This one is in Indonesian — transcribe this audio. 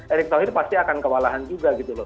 erik thohir pasti akan kewalahan juga